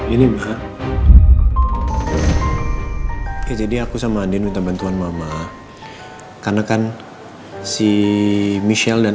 ini mbak jadi aku sama adik minta bantuan mama karena kan si michelle dan